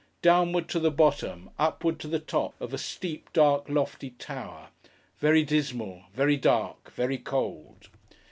Downward to the bottom, upward to the top, of a steep, dark, lofty tower: very dismal, very dark, very cold.